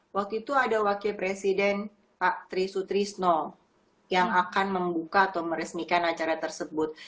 waktu itu ada wakil presiden pak tri sutrisno yang akan membuka atau meresmikan acara tersebut